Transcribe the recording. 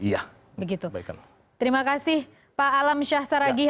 iya begitu baik terima kasih pak alam syah saragih